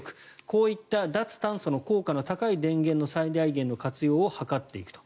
こういった脱炭素の効果の高い電源の最大限の活用を図っていくと。